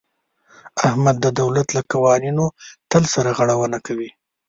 احمد د دولت له قوانینو تل سرغړونه کوي.